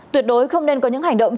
tuyệt đối không nên có những hành động